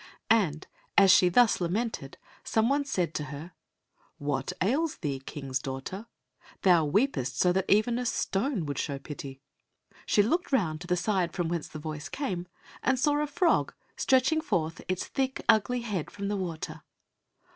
And as she thus lamented some one said to her, "What ails thee, King's daughter? Thou weepest so that even a stone would show pity." She looked round to the side from whence the voice came, and saw a frog stretching forth its thick, ugly head from the water.